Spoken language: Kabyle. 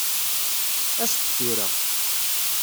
As-d tura.